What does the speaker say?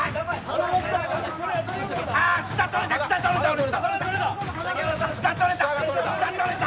下取れた。